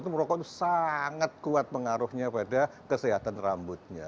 merokok itu sangat kuat pengaruhnya pada kesehatan rambutnya